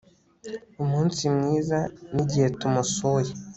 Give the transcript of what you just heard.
Umunsi mwiza nigihe tumusuye